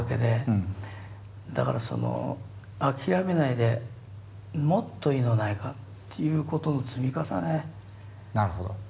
だからその諦めないでもっといいのないかっていうことの積み重ねですね